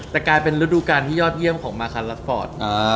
แต่กลายเป็นฤดูการที่ยอดเยี่ยมของมาคันลัสฟอร์ต